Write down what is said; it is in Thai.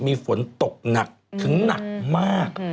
มีฝนตกหนักถึงหนักมาก